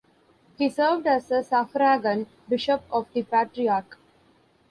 He served as a suffragan bishop of the Patriarch.